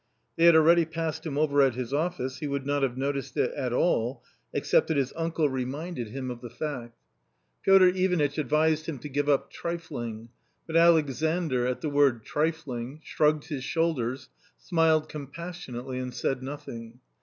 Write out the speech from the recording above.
They had already passed him over at his office ; he would not have noticed it at all, except that his uncle reminded him of G \s 98 A COMMON STORY the fact. Piotr I van itch advised him to give up trifling, but Alexandr at the word "trifling" shrugged his shoulders, smiled compassionately and said nothing.